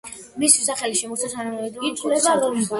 მისი სახელი შემორჩა თანამედროვე კოტის ალპებს.